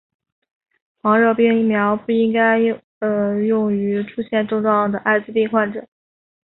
黄热病疫苗不应该用于出现症状的爱滋病患者。